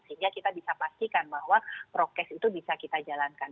sehingga kita bisa pastikan bahwa prokes itu bisa kita jalankan